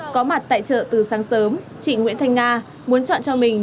có mặt tại chợ từ sáng sớm chị nguyễn thanh nga muốn chọn cho mình